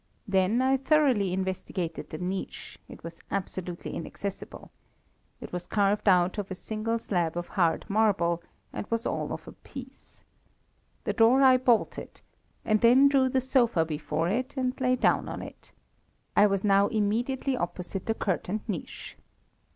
Then I thoroughly investigated the niche; it was absolutely inaccessible. It was carved out of a single slab of hard marble, and was all of a piece. The door I bolted, and then drew the sofa before it and lay down on it. I was now immediately opposite the curtained niche.